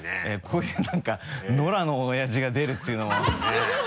こういう何か野良のおやじが出るっていうのも。